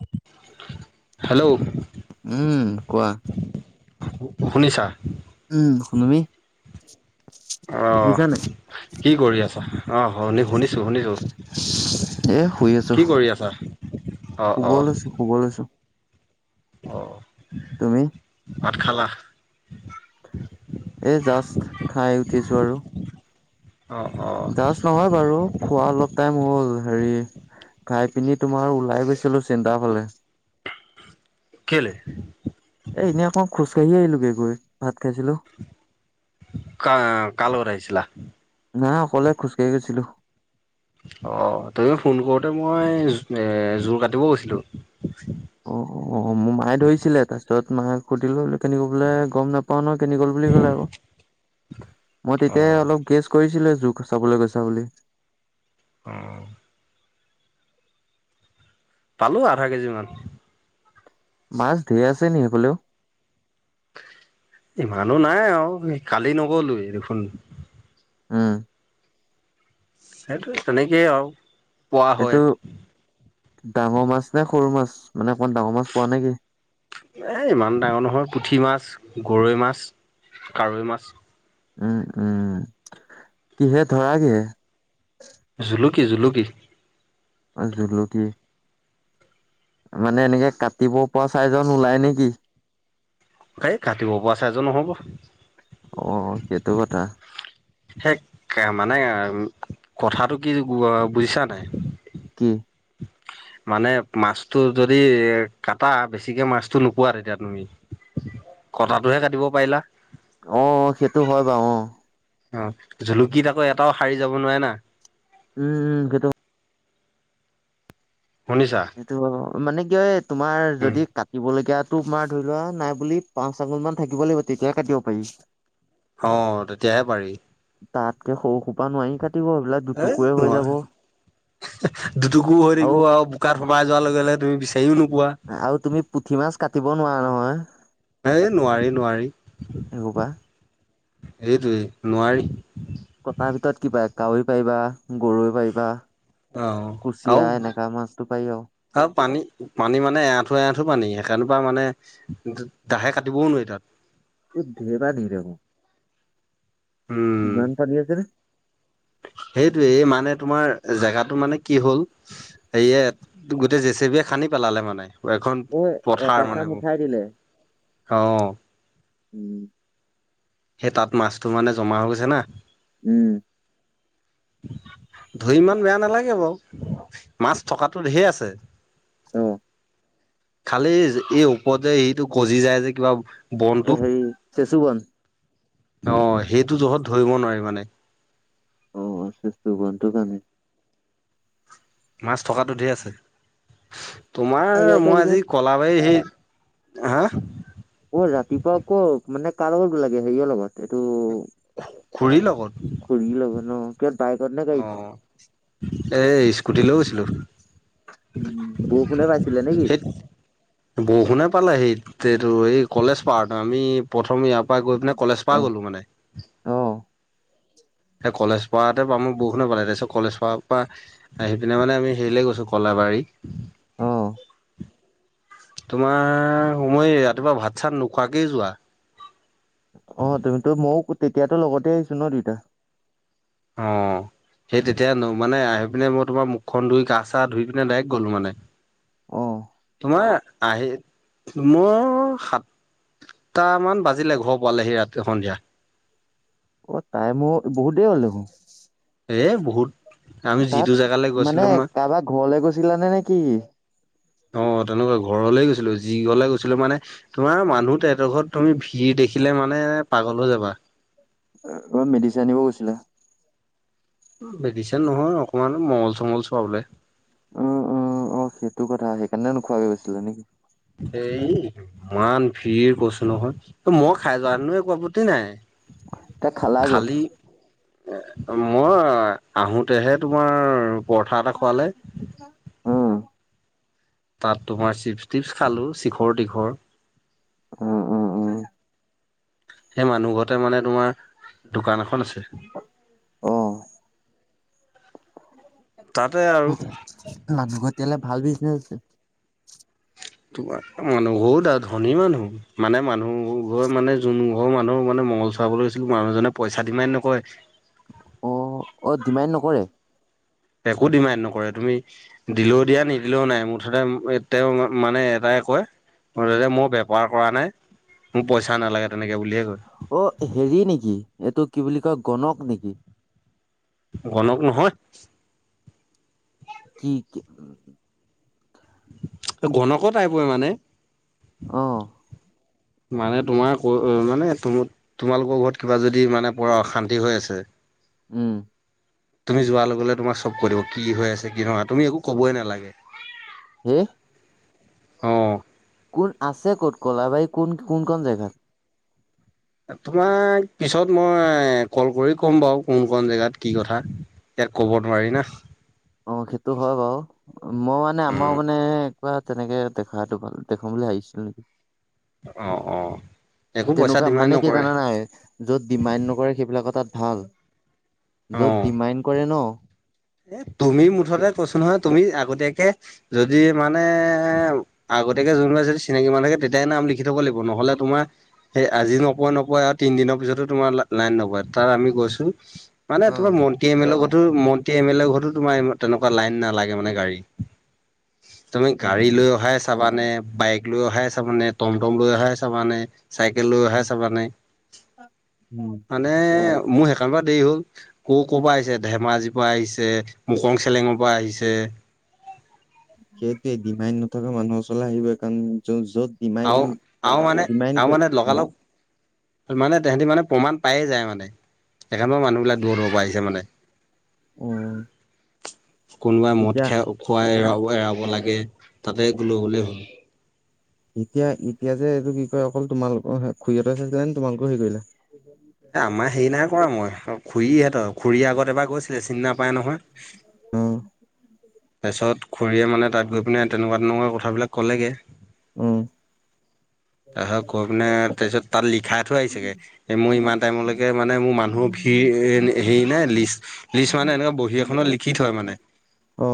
[inaudible] Hello উম কোৱা শুনিছা। উম তুমি [inaudible] অঁ শুনিছা নাই কি কৰি আছা, অ' শুনি শুনিছোঁ- শুনিছোঁ, এ শুই আছো কি কৰি আছা, শুব অ'-অ'। লৈছো শুব লৈছো অঁ তুমি। ভাত খালা। এই জাষ্ট খাই উঠিছো আৰু অ' জাষ্ট নহয় বাৰু খোৱা অলপ টাইম হ'ল, হেৰি খাই পিনি তোমাৰ ওলাই গৈছিলো চেণ্টাৰ ফালে। কেলে। এ ইনেই অকন খোজ এনেই আহিলোগে গৈ, ভাত খাইছিলো। কা কাৰ লগত আহিছিলা। নাই অকলে খোজকাঢ়ি গৈছিলো। অ', তৈও ফোন কৰোতে মই এ জোৰ কাটিব গৈছিলো। অ' অ', মোৰ মায়ে ধৰিছিলে ফাৰ্ষ্টত [unintelligible] কেনি গ'ল বোলে গম নাপাও নহয় কেনি গ'ল বুলি ক'লে আৰু, মই তেতিয় অঁ অলপ গেছ কৰিছিলো তোক চাবলৈ গৈছে বুলি। অঁ। পালো আধা কেজি মান। মাছ ঢেৰ আছে নেকি সেইফাঁলেও। ইমানো নাই আৰু কালি নগলোৱে দেখোন। উম। সেইটোৱে তেনেকে আৰু। পোৱা এইটো, হয় ডাঙৰ মাছ নে সৰু মাছ। মানে অকমান ডাঙৰ মাছ পোৱা নেকি এই ইমান ডাঙৰ নহয়, পুঠি মাছ গৰৈ মাছ, কাৰৈ মাছ। উম- উম, কিহে ধৰা কিহে। [unintelligible] কি জুলুকি? অঁ জুলুকী। মানে এনেকে কাটিব পৰা চাইজত ওলাই নেকি? এই কাটিব পৰা চাইজৰ নহ'ব। অ' সেইটো কথা। পিছে সেয়া মানে কথাটো কি বুজিছা নাই? কি? মানে মাছটো যদি এ কাতা, বেছিকে মাছটো নোপোৱা তেতিয়া তুমি। কটাটোহে কাটিব পাৰিলা। অ' সেইটো হয় বাৰু অ'। অ জুলুকীত আকৌ এটাও শাৰী যাব নোৱাৰে না। উম উম সেইটো শুনিছা সেইটো মানে কি হয়? তোমাৰ উম যদি কাটিবলগীয়া টোপ মাৰ ধৰি লোৱা নাই বুলি পাঁচ আঙুল মান থাকিব লাগিব তেতিয়াহে কাটিব পাৰি। অ তেতিয়াহে পাৰি। তাতকে সৰু সোপা নোৱাৰি কাটি হেই নোৱাৰ দুটুকুৰা হৈ আৰু থাকিব আও তাত সোমাই যোৱাৰ লগে লগে দুইপি আৰু তুমি পুঠি মাছ কাটিব নোৱাৰা নহয়। অ। এই নোৱাৰি', নোৱাৰি,। সেইসোপা এইটোৱেই নোৱাৰি কটাৰ ভিতৰত কি পায় কাঐ পাৰিবা গৰৈ পাৰিবা অ', কুচিয়া এনেকা মাছটো পাৰি আৰু আৰু-আৰু পানী-পানী মানে এআঠু এঠু পানী সেইকাৰণে বা মানে দাহে কাটিবও নোৱাৰি তাত। [unintelligible] ইমান পানী আছে নে সেইটোৱেই মানে তোমাৰ জেগাটো মানে কি হ'ল সেয়ে তোগোট এতিয়া জেচেবিয়ে খানি পেলালে মানে। এখন অ এটা পথাৰ চাম মানে, উঠাই দিলে অ। উম। সেই তাত মাছটো মানে জমা হৈ গৈছে না। উম। ধৰি ইমান বেয়া নালাগে বাও মাছ থকাটো ধেৰ আছে। অ। খালি এই ওপৰত যে এটো গজি যায় যে কিবা। বনটো হেৰি চেচু বন। অ সেইটো জহত ধৰিব নোৱাৰি মানে। অ চেচু বনটো কানে মাছ থকাটো ধেই আছে। তোমাৰ ইয়াতে মই এইকেইদিন আজি কলাবাৰী সে। হা অ ৰাতিপুৱা আকৌ মানে কা লগত গলাগে হেৰি লগত এইটো। খুৰীৰ লগত ঘুৰি আহিলো অ এই স্কুটি লৈ গৈছিল। বৰষুণে পাইছিলে নেকি [unintelligible] সেইত বৰষুণে পালে সেইত তেটো এই কলেজ পাহাৰত আমি প্ৰথমে। গৈ পিনে কলেজ পা গ'লো মানে। অ কলেজ পাওঁতে পাম বৰষুণে পালে তাৰ পিছত কলেজ পা পৰা আহি পিনে মানে আমি হেৰিলে গৈছোঁ কলাবাৰী। অ তোমাৰ সময় ৰাতিপুৱা ভাত চাত নোখোৱাকেই যোৱা। অ তুমিতো ময়ো তেতিয়াতো লগতে আহিছো ন দুয়োতা। অ সেই তেতিয়া মানে আহি পিনে মই তোমাৰ মুখখন ধুই গা চা ধুই পিনে ডাইৰেক্ট গ'লো মানে। অহ তোমাৰ আহি মোৰ সাঁতটামান বাজিলে ঘৰ পোৱালেহি সন্ধিয়া। অ তাই মোৰ বহুত দেৰি হ'ল দেখোন। এইয়ে বহুত। আমি যিটো তাত জেগালৈ মানে গৈছিলো মই কাৰোবাৰ ঘৰলে গৈছিলেনে নে কি। অ তেনেকুৱা ঘৰলে গৈছিলো যি ঘৰলে গৈছিলোঁ মানে তোমাৰ মানুহ তেহেতঁৰ ঘৰত তুমি ভিৰ দেখিলে মানে পাগল হৈ যাবা। কিবা মেডিচান দিব গৈছিলা। মেডিচন নহয় অকমান মঙ্গল চঙগল চোৱা বলে। অ অ অ সেইটো কথা সেইকাৰণে নোখোৱাকৈ গৈছিলে নে কি। কৈছোঁ নহয় ত মই খাই যোৱাহেতিনো একো আপত্তি নাই। এ খালা ক'ত। এ মই আহোঁতেহে তোমাৰ। পৰঠা এটা খোৱালে। উম তাত তোমাৰ চিপ টিপছ খালোঁ চিখৰ তীখৰ। উ উম উম সেই মানুহ ঘৰতে মানে তোমাৰ দোকান এখন আছিল। [inaudible] অ। আৰু মানুহঘৰ তেতিয়াহ'লে। ভাল বিজনেছ আছে। তোমাৰ মানুহ ঘৰু বহুত আৰু ধনী মানুহ মানে মানুহ ঘৰ মানে যোন ঘৰ মানুহ মানে মঙ্গল চৰাবলৈ গৈছিলোঁ মানুহজনে পইচা দিমান নকয়। অ অ ডিমান নকৰে। একো ডিমাণ্ড নকৰে তুমি দিলেও দিয়া নিদিলেও নাই মুঠতে তেওঁ মানে এটাই কয় মুঠতে মই বেপাৰ কৰা নাই মোৰ পইচা নালাগে তেনেকে বুলিয়ে কয় অ হেৰি নেকি এইটো কি বুলি কয় কনক নেকি গণক নহয় কি কি উ গনক টাইপই মানে অহ মানে তোমাৰ মানে তম তোমালোকৰ ঘৰত কিবা যদি মানে অশান্তি হৈ আছে উম তুমি যোৱাৰ লগে তোমাক চব কই দিব কি হৈ আছে কি নহয় তুমি একো কবই নালাগে। হম অ', কোন আছে ক'ত ক'লাবাই কোন কোন ক জেগাত। তোমাক পিছত মই কল কৰি ক'ম বাৰু কোন ক জেগাত কি কথা ইয়াক ক'ব নোৱাৰি না। অ সেইটো হয় বাৰু মই মানে উম, আমাৰ মানে। কা তেনেকে দেখাটো ভাল দেখাম বুলি ভিছিল নেকি। অ', অ', একো পইচা তেনেকুৱা ডিমাণ্ড মানে কি নকৰে জানা নাই য'ত ডিমাইণ্ড নকৰে সেইবিলাক তাত ভাল য'ত অ'। ডিমাইণ্ড কৰে ন এ তুমি মুঠতে কৈছো নহয় তুমি আগতীয়াকে যদি মানে আগতীয়াকে যোনবা যদি চিনাকি মানুহ থাকে তেতিয়ে নাম লিখি থব লাগিব নহলে তোমাৰ সেই আজি নপোৱা নপোৱা আৰু তিন দিনৰ পিছতো তোমাৰ লাইন নপোৱা তাৰ আমি গৈছো। মানে অ তোমাৰ মন্ত্ৰী এম এৰ লগত। [unintelligible] এয়া এম এল এ ঘৰতো তোমাৰ তেনেকুৱা লাইন নালাগে মানে গাড়ী। তুমি গাড়ী উম লৈ অহাই আছা চাবানে বাইক লৈ অহাই চাবানে টমটম লৈ অহাই চাবানে চাইকেল লৈ অহাই চাবা নাই মানে। মোৰ সেইকাৰণ পৰা দেৰি হ'ল ক' ক'ৰ পৰা আহিছে ধেমাজি আহিছে মকং চেলেঙৰ পৰা আহিছে। সেইটোয়ে ডিমাইণ্ড নথকা মানুহৰ ওচৰলে আহিব কাৰণ য'ত ডিমাইন আহ আহ মানে ডিমাইন আহ কৰি মানে অ লগালগ। মানে তহঁতি মানে প্ৰমাণ পায়ে যায় মানে সেই কানে মানুহ বিলাক দূৰৰ দূৰৰ পৰা আহিছে মানে। অ, কোনোবাই মদ এতিয়া খাই খুৱাই ৰ এৰাব লাগে তাতে লৈ গলে হ'ল। এতিয়া এতিয়া যে এইটো কি কয় অকল তোমালোকৰ খুুৰীহতে চাইছিলা নে তোমালোকৰ হেৰি কৰিলে? এ আমাৰ হেৰি নাই কৰা মই। অ খুৰীহঁতৰ খুৰীৰ আগত এবাৰ গৈছিলে চিনি নাপায় নহয় অঁ, তাৰপিছত খুৰীয়ে মানে তাত গৈ পিনে তেনেকুৱা তেনেকুৱা কথাবিলাক ক'লেগে। উম' আহে কম নে [unintelligible] তাৰপিছত তাত লিখ খাই থৈ আহিছেগে মোৰ ইমান টাইমলৈকে মানে মোৰ মানুহৰ ভিৰ হেৰি নাই লিষ্ট লিষ্ট মানে এনেকুৱা বহী এখনত লিখি থয় মানে। অ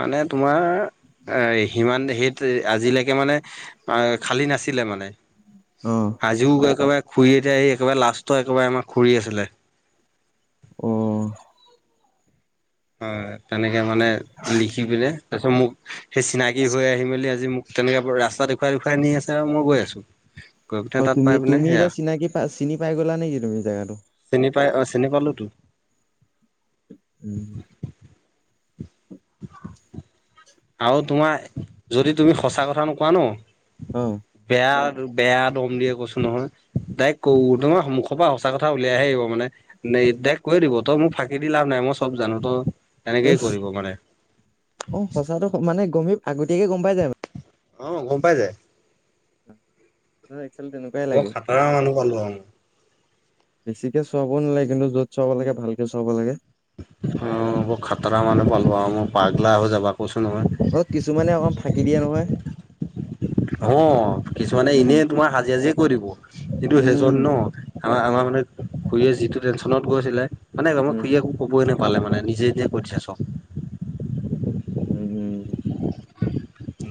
মানে তোমাৰ এ সিমান সেইত আজিলৈকে মানে। খালী নাছিলে মানে অ আজিও একেবাৰে খুৰি এতিয়া আহি একেবাৰে লাষ্ট একেবাৰে আমাৰ খুৰি আছিলে। অঁ হয় তেনে এ মানে লিখি পিনে তাৰপিছত মোক সি চিনাকি হৈ আহি মেলি আজি মোক তেনেকে ৰাস্তা দেখুৱাই দেখুৱাই নি আছে আৰু মই গৈ আছো। গৈ পিনে অঁ তাত পাই তুমি পিনে তুমি সেয়া এতিয়া চিনাকি প চিনি পাই গলা নেকি তুমি জোগাটো। চিনি পাই অ'চিনি পালোতো [inaudible] [inaudible] আৰু তোমাৰ, যদি তুমি সঁচা কথা নোকোৱা ন অ বেয়া বেয়া দম দিয়ে কৈছো নহয় ডাইক্ ক তোমাৰ মুখৰ পৰা সঁচা কথা উলিয়াই হে আহিব মানে ডাইৰেক্ কৈয়ে দিব তই মোক ফাঁকি দি লাভ নাই মই চব জানো তই এনেকেই কৰিব মানে অ সঁচাটো মানে গমি আগতীয়াকে গম পাই যায় মানে অঁ গম পাই যায়। হয়। বৰ খাতাৰা মানুহ পালোঁ আৰু বেছিকে চুৱাবও নালাগে, কিন্তু য'ত চুৱাব লাগে, ভালকে চুৱাব লাগে। অঁ বৰ খাতৰা মানুহ পালো আৰু মই, পাগলা হৈ যাবা কৈছো নহয়। অঁ কিছুমানে অকণ ফাঁকি দিয়ে নহয়। অঁ কিছুমানে উম এনে তোমাৰ সাজি সাজি কৈ দিব কিন্তু সেইজন উম ন আমাৰ আমাৰ মানে খুৰীয়ে যিটো টেনচনত গৈছিলে মানে আমাৰ উম খুৰীয়ে একো ক'বই নাপা পালে মানে নিজে নিজে কৈ দিছে চব। উম' উম'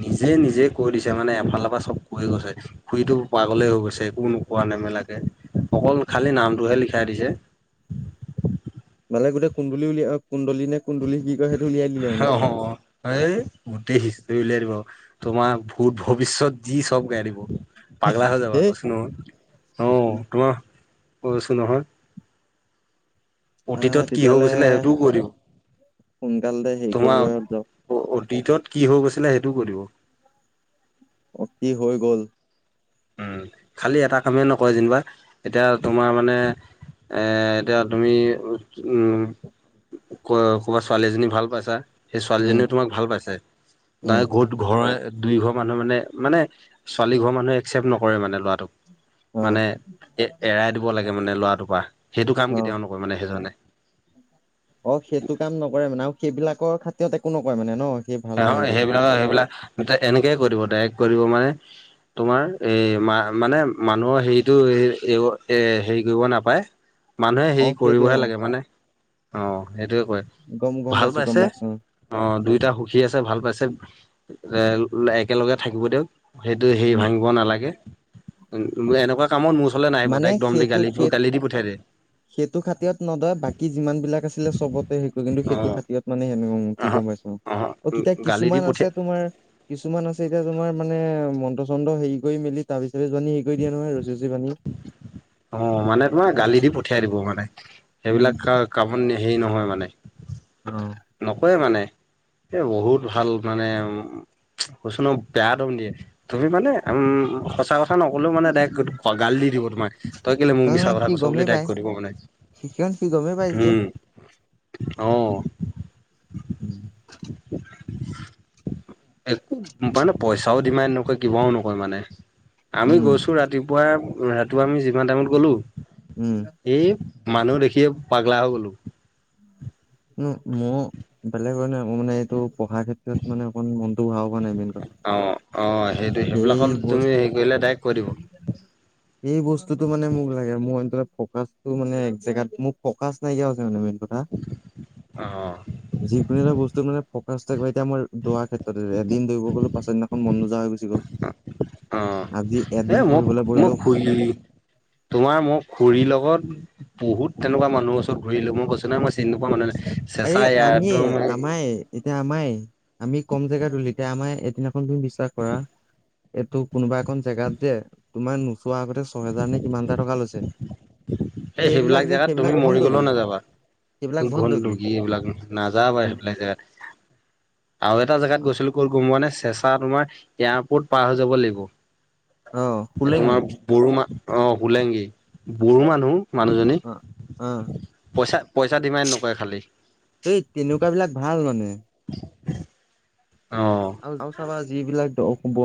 নিজে নিজে কৈ দিছে মানে এফালৰ পৰা চব কৈ গৈছে খুুৰীটো পাগলেই হৈ গৈছে একো নোপোৱা নেমেলাকে, অকল খালী নামটোহে লিখাই দিছে। মালে গোট কম বুলিলিয় আৰু [unintelligible] কুন্দলি নে কুন্দলি কি কয় সেইটো উলিয়াই দিলে অ মানে পুৰা এই গোটেই হিষ্ট্ৰী উলিয়াই দিব তোমাৰ ভত ভৱিষ্যত যি চব গাই দিব পাগলা হৈ যাবা হেই তছন অ ত কৈছোঁ নহয় আহ অতীতত কি হৈ তেতিয়াহ'লে গৈছিলে সেইটোও কৰিম সোনকালতে হেৰি কৰিবাত যাও [unintelligible] অতীতত কি হৈ গৈছিলে সেইটো কৰিব অ কি হৈ গ'ল উম খালি এটা কামেই নকৰে যেনিবা এতিয়া তোমাৰ মানে এ এতিয়া তুমি উম ক ক'বাত ছোৱালীজনী ভাল পাইছা সেই উম ছোৱালীজনীও তোমাক ভাল পাইছে উম তাই ক'ত ঘৰ দুই ঘৰ মানুহ মানে মানে ছোৱালী ঘৰ মানুহে একচেপ্ নকৰে মানে ল'ৰাটোক অ মানে এ এৰাই দিব লাগে ত মানে ল'ৰাটোপা অ অ সেইটো কাম নকৰে মানে সেইবিলাকৰ খাতিৰত একো নকয় মানে ন সেই ভাল পোৱা হেৰিটো খাতিৰত সেইবিলাক সেইবিলাকয়া এনেকয়ে কৰিব ডাইৰেক্ কৰিব মানে তোমাৰ এ মা মানে মানুহৰ হেৰিটো এ হেৰি কৰিব নাপায় মানুহে অ হেৰি সেইটোৱে কৰিবহে অ লাগে মানে অ সেইটোৱে কয় গম গম ভাল পাইছো গম পাইছে পাইছো অ দুইটা ভাল পাইছে এ একেলগে থাকিব দিয়ক সেইটো হেৰি উম ভাঙিব নালাগে এনেকুৱা কামত [unintelligible] মানে ডাইৰেক্ট দম দি সেইটো গালি সেই গালি দি পঠিয়াই দিয়ে সেইটো খাতিৰত নদয় বাকী যিমান বিলাক আছিলে চবতে সেইটো কিন্তু অ সেইটো খাতিয়ৰত মানে সে উঠিক আহ গমপাইছো অ কিতা গালি দি কিছুমান আছে পঠিয়াই তোমাৰ কিছুমান আছে এতিয়া তোমাৰ মানে মন্ত্ৰ চন্দ হেৰি কৰি মেলি তাৰ পিছাপ জানী হেৰি কৰি দিয়া নহয় ৰচী ৰচি পানী অ মানে তোমাৰ গালি দি পঠিয়াই দিব মানে উম সেইবিলাক কাম হেৰি নহয় মানে অ। নকয়ে মানে এ বহুত ভাল মানে উম কৈছো নহয় বেয়া ডম দিয়ে তুমি মানে উম সঁচ সঁচাথকথা নক'লেও মানে ডাইৰেক্ট গালি দি দিব মাক তই কেলে মোক মিছাৰ কাৰণ কথা সি কৈছ বুলি গমেই তাইক পায় কৰিব মানে শিকণ সি গমেই পায় যেতিয়া উম অ উম একো মানে পইচাও ডিমান নকৰে কিবাও নকয় মানে আমি উম গৈছো ৰাতিপুৱাই ৰাতিপুৱা আমি যিমান টাইমত গ'লো এই মানুহ দেখিয়ে পাগলা হৈ গলো মই বেলেগ কাৰ নে মোৰ মানে এইটো পঢ়াৰ ক্ষেত্ৰত মানে অকণ মনটো বহাব পৰা নাই মেইন কথা অ অ সেইটো সেই সেইবিলাকত তুমি হেৰি কৰিলে ডাইৰেক্ট কৈ দিব বস্তু এইেই বস্তুটো মানে মোক লাগে মইটোপ মানেোত মোৰ ফ নাইকিয়া হৈছে মে অ যিকোনো এটা বস্তু মানে ফোক এতিয়া মই দ ক্ষেত্ৰত এদ দৌ গ'লো পাচছদিনাখন মনোজা হৈ গুি গ'ল অ আজি এ এদিন মোক পঢ়িবলৈ মই বহিলো খুৰী তোমাৰ মোক খুৰীৰ লগত বহুত তেনেুৱা মানুৰ ওচৰতূৰিল মই কৈছ ন মই চিকোৱা মানুহে আ আমিয়ে আমাই এতিয়া আমাই আমি কম জেগাত উলিতিয়া আম এদিনা ধ বিশ্বাস কৰা এইটো কোনোবা এখন জেগাত যে তোমাৰ চোৱা আগতে ছহেজাৰ নে কিমানটা টকা লৈছে এই সেইবিলাক জেগাত তুমি মৰি গলেও নাযাবা সেইবিলাক ভণ্ডগী ঘোুগি এইবিলাক নাযা বাৰু সেইবিলাক জেগাত আৰু এটা জেগাত গৈছিলো ক'ত গম পোৱা নাই চেঁচা তোমাৰ এয়াৰপত পাৰ হৈ যাব লাগিব অ' তোমাৰ শুলেঙি ব়ো মা অ হোলেংগি বড়ো মানুহ মানুহজনী অ' অ' পইচা পইচা ডিমাণ্ড নকৰে খালী এই তেনেকুৱা বিলাক াশাব যিবিলাক দ ব